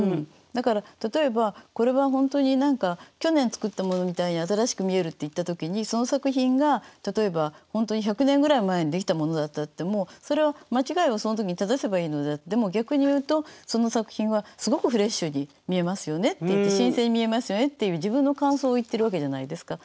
だから例えばこれは本当に去年作ったものみたいに新しく見えるって言った時にその作品が例えば本当に１００年前ぐらいに出来たものであってもそれは間違いをその時に正せばいいのであってでも逆に言うとその作品はすごくフレッシュに見えますよねっていって新鮮に見えますよねっていう自分の感想を言ってるわけじゃないですか。